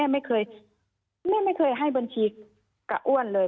แม่ไม่เคยให้บัญชีกับอ้วนเลย